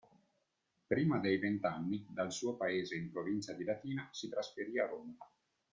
Prima dei vent'anni, dal suo paese in provincia di Latina, si trasferì a Roma.